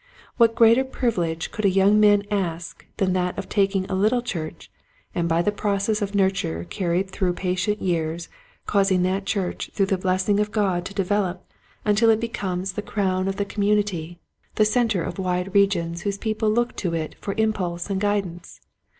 What greater privi lege could a young man ask than that of taking a little church and by a process of nurture carried on through patient years causing that church through the blessing of God to develop until it becomes the 30 Quiet Hints to Growing Preachers. crown of the community, the center of wide regions whose people look to it for impulse and guidance